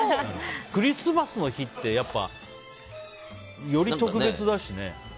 クリスマスの日ってやっぱより特別だしね。